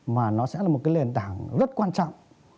mà nó sẽ là một cái nền tảng rất quan trọng